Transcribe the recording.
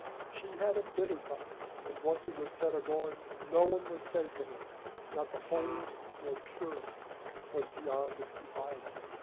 She had a bitter tongue, and once it was set agoing no one was safe from it not the holiest nor purest was beyond its defilement.